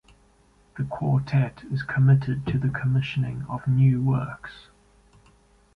The quartet is committed to the commissioning of new works.